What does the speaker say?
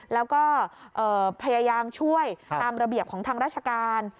แล้วก็พยายามช่วยตามระเบียบของทางราชการ